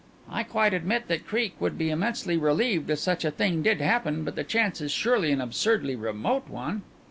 "I quite admit that Creake would be immensely relieved if such a thing did happen, but the chance is surely an absurdly remote one."